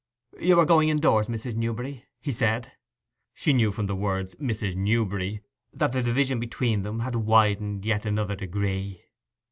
'You are going indoors, Mrs. Newberry?' he said. She knew from the words 'Mrs. Newberry' that the division between them had widened yet another degree.